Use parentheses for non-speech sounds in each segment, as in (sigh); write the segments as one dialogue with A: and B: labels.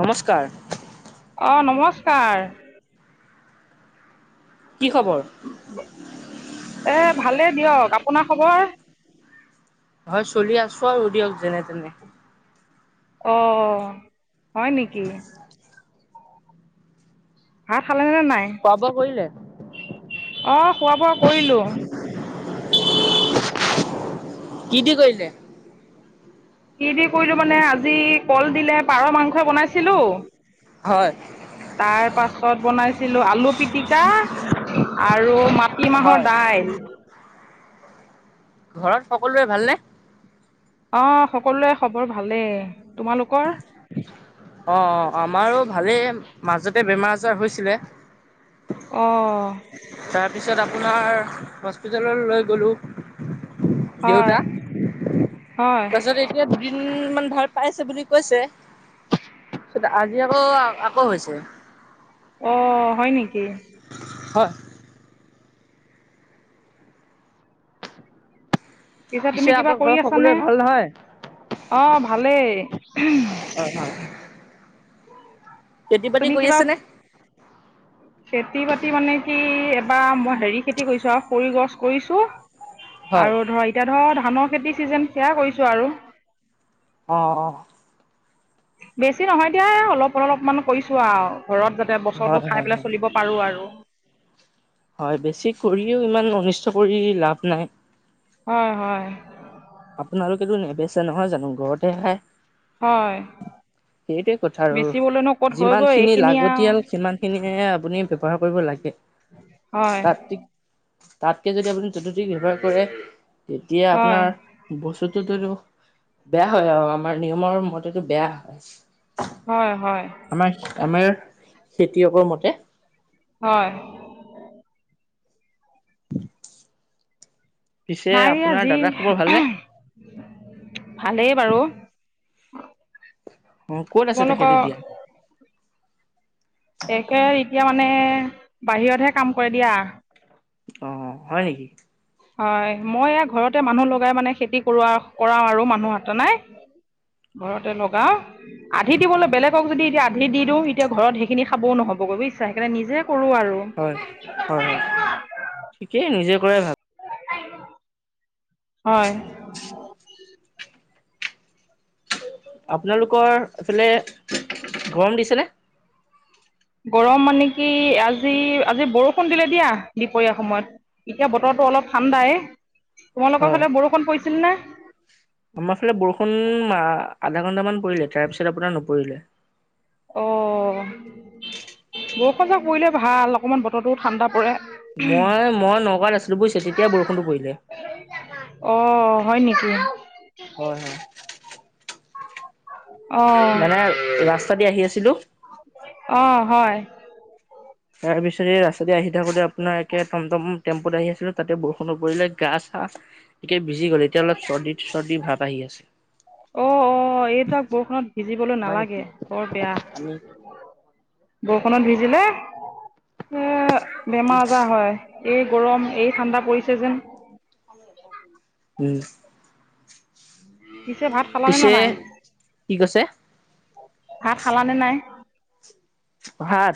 A: নমস্কাৰ।
B: অ, নমস্কাৰ।
A: কি খবৰ?
B: এ, ভালেই দিয়ক। আপোনাৰ খবৰ?
A: হয়, চলি আছো আৰু দিয়ক, যেনে-তেনে।
B: অ, হয় নেকি! ভাত খালে নে নাই?
A: খোৱা-বোৱা কৰিলে?
B: অঁ খোৱা বোৱা কৰিলোঁ
A: কি দি কৰিলে?
B: কি দি কৰিলে মানে, আজি কল দিলে পাৰ মাংসই বনাইছিলো।
A: হয়।
B: তাৰ পাছত বনাইছিলো, আলু পিটিকা আৰু মাটি
A: হয়
B: মাহৰ দাইল।
A: ঘৰত সকলোৰে ভালনে?
B: অ, সকলোৰে খবৰ ভালেই। তোমালোকৰ?
A: অ, অ, আমাৰো ভালেই, মাজতে বেমাৰ-আজাৰ হৈছিলে। (inaudible)
B: অ।
A: তাৰপিছত আপোনাৰ হস্পিতাল লৈ গ'লো।
B: হয়
A: দেউতা,
B: হয়
A: তাৰপিছত এই এতিয়া দুদিন মান ভাল পাইছে বুলি কৈছে। আজি আকৌ, আকৌ হৈছে।
B: অ, হয় নেকি!
A: হয়।
B: পিছে তুমি কিবা
A: আপোনাৰ ঘৰত
B: কৰি আছানে?
A: সকলোৰে ভাল নহয়
B: অ ভালেই।
A: হয়, হয়। খেতি-বাতি কৰি আছেনে?
B: খেতি-বাতি মানে কি, এবাৰ মই হেৰি খেতি কৰিছো, আৰু খৰি গছ কৰিছো।
A: হয়
B: আৰু ধৰ, এতিয়া ধৰ, ধানৰ খেতি চিজন সেয়া কৰিছোঁ আৰু।
A: অ, অ।
B: বেছি নহয় দিয়া, অলপ-অলপমান কৰিছো আৰু, ঘৰত যাতে
A: হয়
B: বছৰটো খাই
A: হয়
B: পেলাই
A: হয়
B: চলিব পাৰো আৰু।
A: হয়, বেছি কৰিও ইমান অনিষ্ট কৰি লাভ নাই।
B: হয়, হয়।
A: আপোনালোকেতো নেবেচে নহয় জানো ঘৰত হে খাই?
B: হয়
A: সেইটোৱে কথা আৰু
B: বেচিবলৈনো ক'ত
A: যিমান
B: হয়গৈ
A: খিনি
B: এইখিনি আৰু
A: লাগতিয়াল সিমান খিনিয়ে আপুনি ব্যৱহাৰ কৰিব লাগে,
B: হয়
A: তাত তাতকে যদি আপুনি যতুতি ব্যৱহাৰ কৰে, তেতিয়া
B: হয়
A: আপোনাৰ বস্তুটোতো বেয়া হয় আৰু আমাৰ নিয়মৰ মতেতো বেয়া হয়।
B: হয়, হয়।
A: আমাৰ আমাৰ খেতিয়কৰ মতে।
B: হয়।
A: পিছে
B: নাই
A: আপোনাৰ
B: আজি
A: দাদাৰ খবৰ ভালনে?
B: ভালেই বাৰু।
A: অ', ক'ত আছে তেখেত
B: তোমালোকৰ
A: এতিয়া?
B: তেখেত এতিয়া মানে বাহিৰতহে কাম কৰে দিয়া।
A: অ', হয় নেকি?
B: হয়, মই এইয়া ঘৰতে মানুহ লগাই মানে খেতি কৰোৱা কৰাও আৰু মানুহতে নাই। ঘৰতে লগাও, আধি দিবলৈ বেলেগক যদি এতিয়া আধি দি দিওঁ, এতিয়া ঘৰত সেইখিনি খাবও নহ'বগৈ বুজিছা, সেইকাৰণে নিজেই কৰোঁ আৰু।
A: হয়, হয়, হয়, ঠিকেই নিজেই কৰাই ভাল।
B: (unintelligible) হয়।
A: আপোনালোকৰ এইফালে গৰম দিছেনে?
B: গৰম মানে কি, আজি-আজি বৰষুণ দিলে দিয়া, দুপৰীয়া সময়ত। এতিয়া বতৰটো অলপ ঠাণ্ডাই। তোমালোকৰ
A: হয়।
B: ফালে বৰষুণ পৰিছিল নে?
A: আমাৰ ফালে বৰষুণ উম, আধা ঘন্টামান পৰিলে, তাৰপিছত আপোনাৰ নপৰিলে।
B: অ', বৰষুণজাক পৰিলে ভাল, অকমান বতৰটো ঠাণ্ডা পৰে।
A: মই, মই নগাঁৱত আছিলো বুজিছে, তেতিয়াই বৰষুণটো পৰিলে।
B: অ', হয় নেকি?
A: হয়, হয়।
B: অঁ
A: মানে, ৰাস্তা দি আহি আছিলো।
B: অ', হয়।
A: তাৰপিছতে, ৰাস্তাতে আহি থাকোতে আপোনাৰ একে টমটম টেম্পোত আহি আছিলো, তাতে বৰষুণ পৰিলে, গা-চা এতিয়া, ভিজি গ'ল, এতিয়া অলপ চৰ্দি-চৰ্দিৰ ভাব আহি আছে।
B: অ', অ', এইজাক বৰষুণত ভিজিবলৈ
A: আমাৰ
B: নেলাগে,
A: নিচিনা
B: বৰ বেয়া।
A: আমি
B: বৰষুণত ভিজিলে, এ, বেমাৰ-আজাৰ হয়। এই গৰম, এই ঠাণ্ডা পৰিছে যেন।
A: উম।
B: পিছে, ভাত খালা নে
A: পিছে
B: নাই?
A: কি কৈছে?
B: ভাত খালা নে নাই?
A: ভাত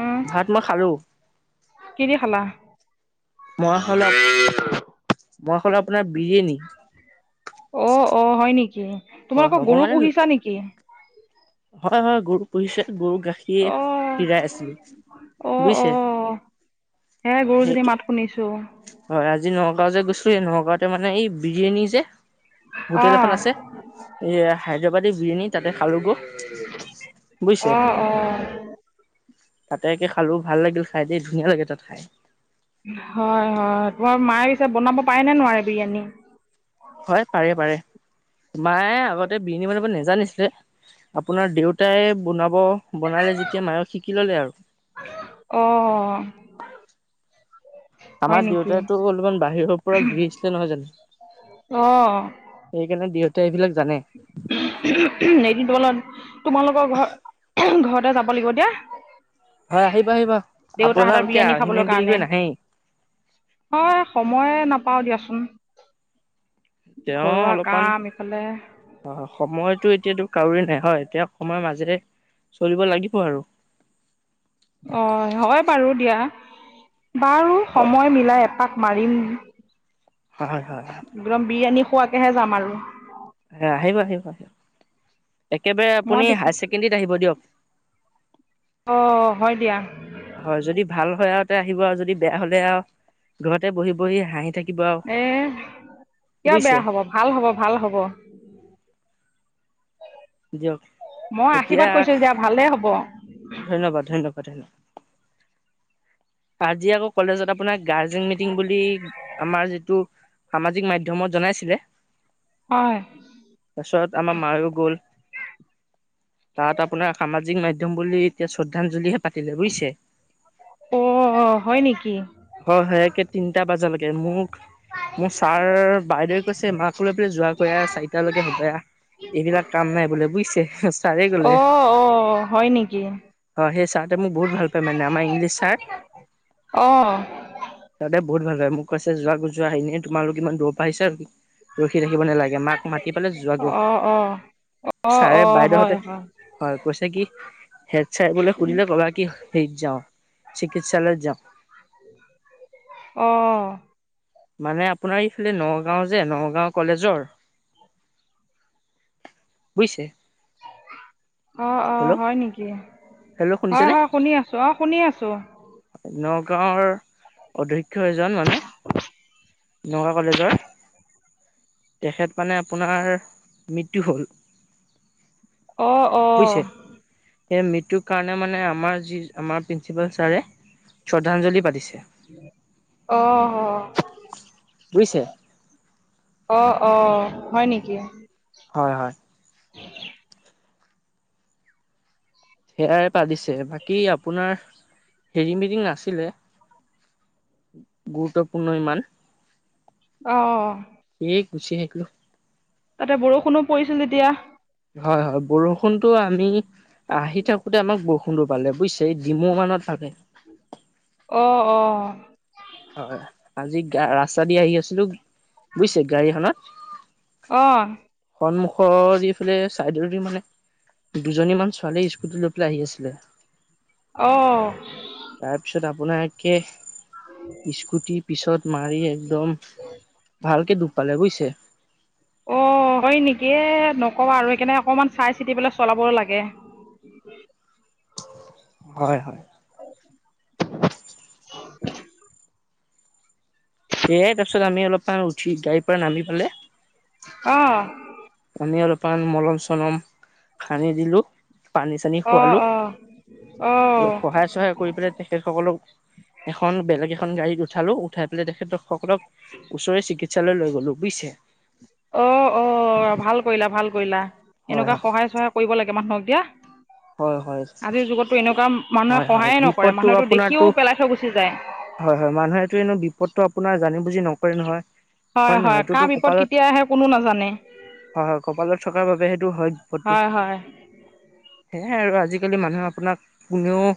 B: উম,
A: ভাত মই খালো
B: কি দি খালা?
A: মই খালো, মই খালো, আপোনাৰ বিৰিয়ানী।
B: অ', অ', হয় নেকি?
A: হয় হয়
B: তোমালোকৰ
A: মই
B: গৰু
A: মানে
B: পুহিছা নেকি?
A: হয় হয়, গৰু পুহিছে, গৰু গাখীৰ
B: অ
A: গাখীৰ খিৰাই আছিলো
B: অ অ
A: বুজিছে,
B: হে
A: হয়
B: গৰুজনী
A: সেইটোৱে।
B: মাত শুনিছো।
A: হয়, আজি নগাঁও যে গৈছিলো, এই নগাঁওতে মানে এই বিৰিয়ানী যে,
B: অ
A: হোটেল এখন আছে। এই, হায়দৰাবাদী বিৰিয়ানী তাতে খালোগৈ, বুজিছে?
B: অ অ
A: তাতে একে খালো, ভাল লাগিল খাই দেই ধুনীয়া লাগে তাত খাই।
B: হয়, হয়, তোমাৰ মায়ে পিছে বনাব পাৰে নে নোৱাৰে বিৰিয়ানী?
A: হয়, পাৰে পাৰে, মায়ে আগতে বিৰিয়নী বনাব নেজানিছিলে। আপোনাৰ দেউতাই বনাব, বনালে যেতিয়া মাইয়ো শিকি ললে আৰু।
B: অহ।
A: আমাৰ দেউতাটো অলপমান বাহিৰৰ পৰা ঘূৰি আহিছিলে নহয় জানো?
B: অহ।
A: সেইকাৰণে দেউতাই এইবিলাক জানে।
B: (unintelligible) এদিন (unintelligible) তোমালোকৰ ঘৰত ঘৰতে যাব লাগিব দিয়া।
A: হয় আহিব আহিব,
B: দেউতা হাতৰ
A: আপোনালোকে
B: বিৰিয়ানী
A: আহিমে
B: খাবলৈ
A: বুলি
B: কাৰণে
A: কৈ নাহেই।
B: হয়, সময়ে নাপাও দিয়াচোন। ঘৰুৱা কাম এইফালে
A: হয়, সময়টো এতিয়াতো কাৰুৱে নাই, হয় এতিয়া সময়ৰ মাজেৰে চলিব লাগিব আৰু।
B: অ হয় বাৰু দিয়া, বাৰু
A: হয়
B: সময় মিলাই এপাক মাৰিম
A: হয়-হয়-হয়।
B: দম বিৰিয়ানী খোৱাকেহে যাম আৰু।
A: আহিব আহিব আহিব, একেবাৰে
B: মই
A: আপুনি
B: বেছি
A: হায়াৰ-ছেকেণ্ডেৰীত আহিব দিয়ক।
B: অ হয় দিয়া।
A: হয় যদি ভাল হয় আৰু তে আহিব আৰু যদি বেয়া হ'লে আৰু ঘৰতে বহি বহি হাঁহি থাক
B: এ কিয় বেয়া হ'ব ভাল হ'ব ভাল হ'ব।
A: দিয়ক
B: মই
A: এতিয়া
B: আশীৰ্বাদ কৰিছো যেতিয়া ভালেই হ'ব।
A: ধন্যবাদ ধন্যবাদ ধন্যবাদ। আজি আকৌ কলেজত আপোনাৰ গাৰ্জেন মিটিং বুলি আমাৰ যিটো সামাজিক মাধ্যমত জনাইছিলে
B: হয়।
A: পাছত আমাৰ মায়ও গ'ল, তাত আপোনাৰ সামাজিক মাধয়ম বুলি এতিয়া শ্ৰদ্ধাঞ্জলিহে পাতিলে বুজছে?
B: অ অ হয় নেকি?
A: হয় হয় একে তিনিটা বজালৈকে মোক মোৰ ছাৰ বাইদেউে কৈছে মাকো লৈ (unintelligible) যোৱাকৈ আহ চাৰিটালৈকে হ'ব আহ। এইবিলাক কাম নাই বোলে বুজিছে। ছাৰে গ'লে
B: অ অ হয় নেকি?
A: হয় সেই ছাৰটোৱে মোক বহুত ভাল পায় মানে আম ইংলিছ ছাৰ
B: অ।
A: তহঁতে বহুত ভাল পায় মোক কৈছে যোৱাগে যোৱা, এনেই তোমালোক ইমান দূৰৰ পৰা আহিছা ৰখি থাকিব নালাগে, মাক মাতি পালে
B: অ',
A: যোৱাগো।
B: অ', অ',
A: ছাৰে
B: অ', হয়,
A: বাইদেউহতে
B: হয়,
A: হয় কৈছে কি হেট ছাৰ বোলে শুধিলে কবা কি, হেৰিত যাওঁ চিকিৎসালয়ত যাওঁ।
B: অ।
A: মানে আপোনাৰ এইফালে নগাঁও যে নগাঁও কলেজৰ বুজিছে?
B: অ অ
A: হেল্ল'
B: হয় নেকি?
A: হেল্ল'
B: হয়
A: শুনিছেনে
B: হয় শুনি আছোঁ, অ শুনি আছোঁ।
A: নগাঁৱৰ অধ্যক্ষ এজন মানে নগাঁ কলেজৰ তেখেত মানে আপোনাৰ মৃত্যু হ'ল।
B: অ
A: বুজিছে?
B: অ',
A: সেই মৃত্যুৰ কাৰণে মানে আমাৰ যি আমাৰ প্ৰিন্সিপাল ছাৰে শ্ৰদ্ধাঞ্জলি পাতিছে।
B: অ অ।
A: বুজিছে?
B: অ অ হয় নেকি?
A: হয় হয়।
B: (inaudible)
A: সেয়াৰে পাতিছে বাকী আপোনাৰ হেৰি মিটিং নাছিলে? গুৰুত্বপূৰ্ণ ইমান।
B: অ।
A: এই গুছি আহিলো।
B: তাতে বৰষুণো পৰিছিল তেতিয়া?
A: হয় হয় বৰষুনটো আমি আহি থাকোতে আমাক বৰষুনটো পালে বুজিছে এই ডিমৌ মানত পালে।
B: অ অ।
A: হয় আজি গা ৰাস্তা দি আহি আছিলো বুজিছে গাড়ীখনত?
B: অ'।
A: সন্মুখ যিফেলে চাইডৰ দি মানে দুজনীমান ছোঁ ছোৱালী স্কুটি লৈ পেলাই আহি আছিলে।
B: অ'।
A: তাৰপিছত আপোনাকে স্কুটি পিছত মাৰি একদম ভালকে দুখ পালে বুজিছে।
B: অঁ হয় নিকি এ নকওঁ আৰু সেইকাৰণে অকণমান চাই চিতি পেলাই চলাব লাগে।
A: হয় হয়।
B: (inaudible)
A: এয়ে তাৰ পিছত আমি অলপমান উঠি গাড়ীৰ পৰা নামি পালে।
B: অ।
A: আমি অলপমান মলম - চলম সানি দিলো। পানী - চানী
B: অ',
A: খোৱালো,
B: অ',
A: অলপ
B: অ',
A: সহায় - চহায় কৰি পেলাই তেখেতসকলক এখন বেলেগ এখন গাড়ীত উঠালো, উঠাই পেলাই তেখেতক সকলক ওচৰে চিকিৎসালয়লৈ গ'লো বুজিছে।
B: অ অ ভাল কৰিলা ভাল কৰিলা
A: হয়
B: এনেকুৱা
A: হয়।
B: সহায় - চহায় কৰিব লাগে মানুহক দিয়া।
A: হয় হয়
B: আজিৰ যুগতো এনেকুৱা মানুহে
A: হয় হয়
B: সহায়ে নকৰে
A: বিপদটো
B: মানুহেটো দেখিও
A: আপোনাৰতো
B: পেলাই থৈ গুচি যায়।
A: হয় হয় মানুহেটো এনো বিপদটো আপোনাৰ জানি বুজি নকৰে নহয়।
B: হয় হয়
A: নহয় এইটোতো
B: কাৰ বিপদ
A: কপালত
B: কেতিয়া আহে কোনো নাজানে।
A: হয় হয় কপালত থকাৰ বাবে সেইটো হয় বিপদটো।
B: হয় হয়
A: সেয়াই আৰু আজিকালি মানুহে আপোনাক কোনেও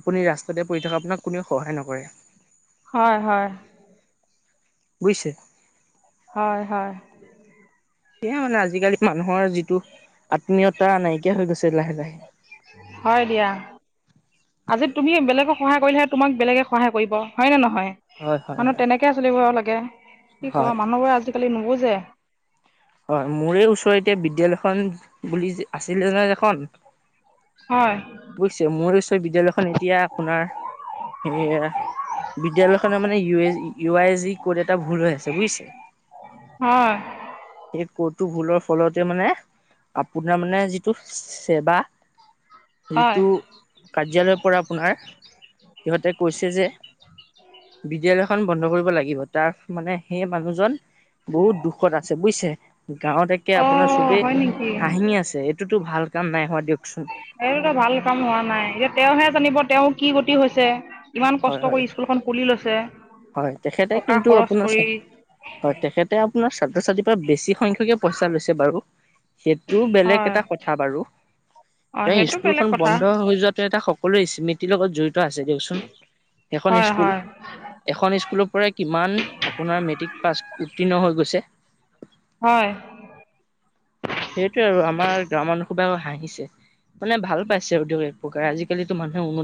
A: আপুনি ৰাস্তাতে পৰি থকা আপোনাক কোনেও সহায় নকৰে।
B: হয় হয়।
A: বুজিছে?
B: হয় হয়।
A: সেয়া মানে আজিকালি মানুহৰ যিটো আত্মীয়তা নাইকিয়া হৈ গৈছে লাহে লাহে।
B: হয় দিয়া। আজি তুমি বেলেগক সহায় কৰিলেহে তোমাক বেলেগে সহায় কৰিব হয়নে নহয়?
A: হয় হয়
B: মানুহ
A: হয়
B: তেনেকে চলিব লাগে কি
A: হয়
B: ক মানুহবোৰে আজিকালি নুবুজে।
A: হয় মোৰে ওচৰত এতিয়া বিদ্যালয়খন বুলি যে আছিলে যে এখন।
B: হয়।
A: বুইছে মোৰ উচৰ বিদ্যয়ালয়খন এতিয়া আপোনাৰ সেয়া বিদ্যালয়খনৰ মানে ই এ ইউ আই জি ক'ত এটা ভুল হৈ আছে বুইছে
B: হয়।
A: এ পটু ভুলৰ ফলতে মানে আপোনাৰ মানে যিটো চেৱা
B: হয়
A: যিতু কাৰ্যালয়ৰ পৰা আপোনাৰ সিহঁতে কৈছে যে বিদ্যালয় খন বন্ধ কৰিব লাগিব তাৰ মানে সেই মানুহজন বহুত দুখত আছে বুইছে গাঁৱত একে
B: অ
A: আপোনাৰ চবেই
B: হয় নেকি
A: হাঁহি আছে। এইতোটো ভাল কাম নাই হোৱা দিয়কচোন।
B: এইটোতো ভাল কাম হোৱা নাই এতিয়া তেওঁহে জানিব তেওঁ কি গতি হৈছে ইমান
A: হয়
B: কষ্ট
A: হয়
B: কৰি স্কুলখন খুলি লছে।
A: হয় তেখেতে কিন্তু আপোনাৰ ছা হয় তেখেতে আপোনাৰ ছাত্ৰ- ছাত্ৰীৰ পৰা বেছি সংখ (unintelligible) পইচা লৈছে বাৰু সেইটো বেলেগ
B: হয়
A: এটা কথা বাৰু
B: অঁ
A: এই
B: সেইটো বেলেগ
A: স্কুলখন
B: কথা
A: বন্ধ হৈ যোৱাটো এটা সক সকলো স্মৃতিৰ লগত জড়িত আছে দিয়কচোন সেইখন
B: হয়
A: স্কুল।
B: হয়
A: এখন স্কুলৰ পৰাই কিমান আপোনাৰ মেট্ৰিক পাছ উত্তীৰ্ণ হৈ গৈছে।
B: হয়।
A: সেইটোৱে আৰু আমাৰ গাঁৱৰ মানুহ হুদাও হাঁহিছে মানে ভাল পাইছে (unintelligible) (unintelligible) আজিকালিটো মানুহে উন্নতি